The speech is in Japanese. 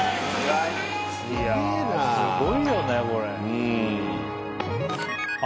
すごいよねこれ。